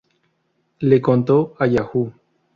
Le contó a Yahoo!